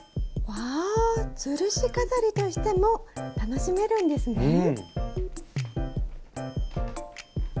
うわぁつるし飾りとしても楽しめるんですね。